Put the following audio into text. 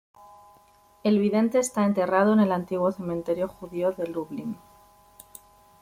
El vidente está enterrado en el antiguo cementerio judío de Lublin.